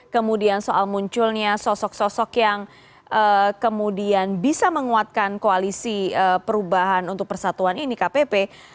kemudian soal munculnya sosok sosok yang kemudian bisa menguatkan koalisi perubahan untuk persatuan ini kpp